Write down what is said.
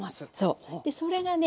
それがね